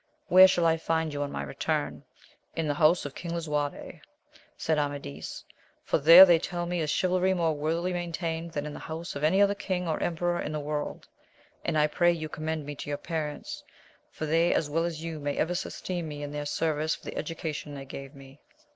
Where shall I find you on my return ? In the house of King Lisuarte, said Amadis, for there they tell me Is chivalry more worthily maintained than in the house of any other king or emperor in the world ; and I pray you commend me to your parents, for they as well as you may ever esteem me in their service for the edu cation they gave me.